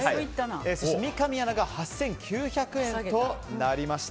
そして、三上アナが８９００円となりました。